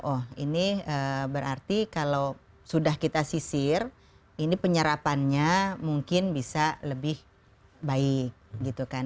oh ini berarti kalau sudah kita sisir ini penyerapannya mungkin bisa lebih baik gitu kan